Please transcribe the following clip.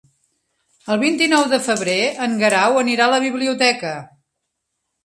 El vint-i-nou de febrer en Guerau anirà a la biblioteca.